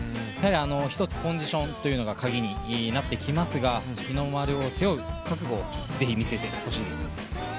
一つコンディションというのがカギになってきますが日の丸を背負う覚悟をぜひ見せてほしいです。